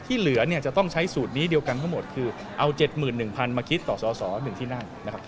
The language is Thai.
เหลือเนี่ยจะต้องใช้สูตรนี้เดียวกันทั้งหมดคือเอา๗๑๐๐๐มาคิดต่อสอสอ๑ที่นั่งนะครับ